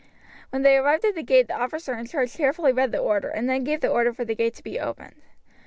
When they arrived at the gate the officer in charge carefully read the order, and then gave the order for the gate to be opened.